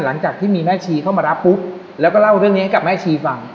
หลังจากที่มีแม่ชีเข้ามารับปุ๊บแล้วก็เล่าเรื่องนี้ให้กับแม่ชีฟัง